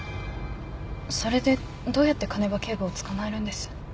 それでどうやって鐘場警部を捕まえるんです？